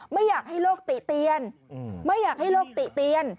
ไม่อยากให้โลกติเตียนไม่อยากให้โลกติเตียน